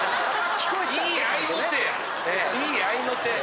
いい合いの手。